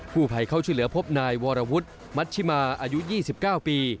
ผู้ภัยเข้าช่วยเหลือพบนายวรวุฒิมัชชิมาอายุ๒๙ปี